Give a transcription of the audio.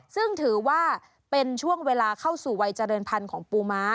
ซึ่งถือว่าเป็นช่วงเวลาเข้าสู่วัยเจริญพันธุ์ของปูม้า